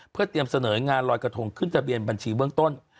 เพื่อเตรียมเสนองานลอยกระทงขึ้นทะเบียนบัญชีเบื้องต้น